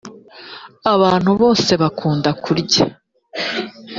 abantu bose bakunda kurya.